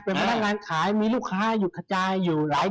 เป็นบ้านร้านขายมีลูกค้าอยู่ขจายอยู่หลายที่